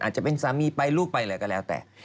อาจจะเป็นสามีไปลูกไปอะไรก็แล้วแต่